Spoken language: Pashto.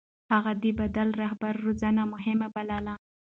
هغه د بديل رهبرۍ روزنه مهمه بلله.